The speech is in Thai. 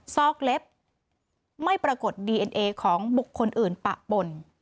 ซอกเล็บไม่ปรากฏดีเอ็นเอของบุคคลอื่นปะปน